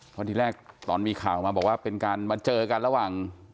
เพราะที่แรกตอนมีข่าวมาบอกว่าเป็นการมาเจอกันระหว่าง